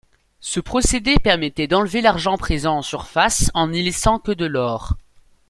Ce procédé permettait d'enlever l'argent présent en surface en n'y laissant que de l'or.